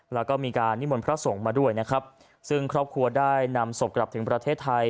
แล้วก็มีการนิมนต์พระสงฆ์มาด้วยนะครับซึ่งครอบครัวได้นำศพกลับถึงประเทศไทย